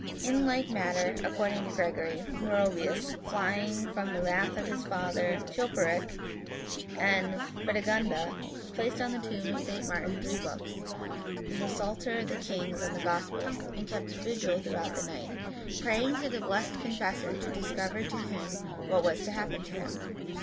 In like manner, according to Gregory, Merovius, flying from the wrath of his father Chilperic, and Fredigunda, placed on the tomb of St. Martin 262 Sortes Sacrae three books, to wit, the Psalter, the Kings, and the Gospels, and kept vigil through the night, praying the blessed confessor to discover to him what was to happen to him.